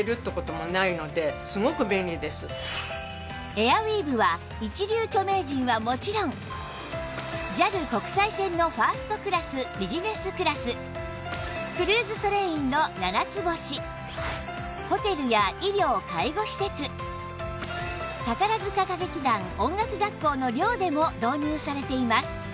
エアウィーヴは一流著名人はもちろん ＪＡＬ 国際線のファーストクラスビジネスクラスクルーズトレインのななつ星ホテルや医療・介護施設宝塚歌劇団・音楽学校の寮でも導入されています